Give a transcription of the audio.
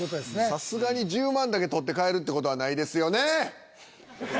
さすがに１０万だけ獲って帰るって事はないですよね！